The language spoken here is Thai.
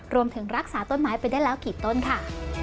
รวมถึงรักษาต้นไม้ไปได้แล้วกี่ต้นค่ะ